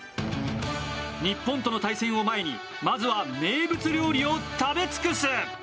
日本との対戦を前にまずは名物料理を食べ尽くす！